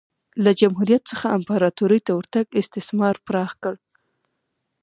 له جمهوریت څخه امپراتورۍ ته ورتګ استثمار پراخ کړ